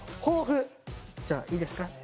抱負じゃあいいですか？